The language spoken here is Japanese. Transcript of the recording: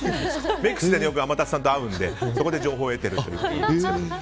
メイク室でよく天達さんと会うのでそこで情報を得ているという。